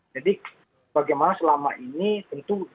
jadi bagaimana selama ini tentu